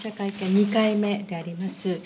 ２回目であります。